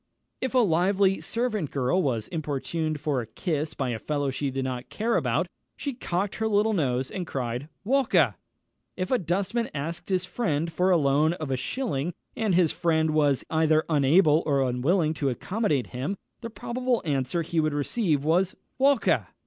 If a lively servant girl was importuned for a kiss by a fellow she did not care about, she cocked her little nose, and cried "Walker!" If a dustman asked his friend for the loan of a shilling, and his friend was either unable or unwilling to accommodate him, the probable answer he would receive was, "_Walker!